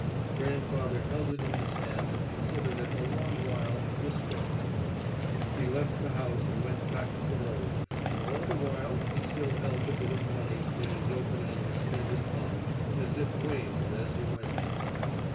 Grandfather held it in his hand and considered it a long while distrustfully. He left the house and went back to the road, and all the while he still held the bit of money in his open and extended palm, as if weighing it as he went.